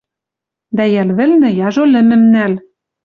Дӓ йӓл вӹлнӹ яжо лӹмӹм нӓл.